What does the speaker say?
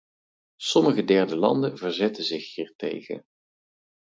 Sommige derde landen verzetten zich hiertegen.